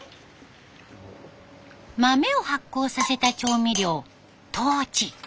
豆を発酵させた調味料トウチ。